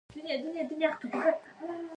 نجلۍ له زړګي خندا کوي.